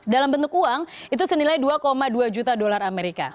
dalam bentuk uang itu senilai dua dua juta dolar amerika